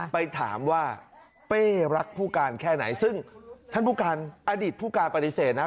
ไปถามว่าเป้รักผู้การแค่ไหนซึ่งท่านผู้การอดีตผู้การปฏิเสธนะ